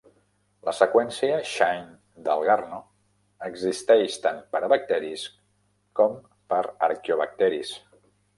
La seqüència Shine-Dalgarno existeix tant per a bacteris com per a arqueobacteris.